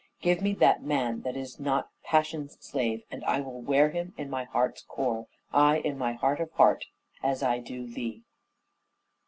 Give me that man That is not passion's slave, and I will wear him In my heart's core, ay, in my heart of heart, As I do thee."